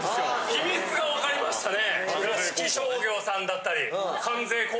秘密が分かりましたね。